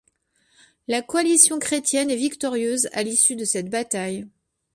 La coalition chrétienne est victorieuse à l'issue de cette bataille.